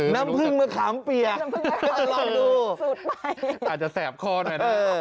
น้ำผึ้งมะขามเปียกลองดูอาจจะแสบคอหน่อยนะ